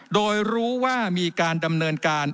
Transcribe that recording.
โดยรู้ว่ามีการดำเนินการ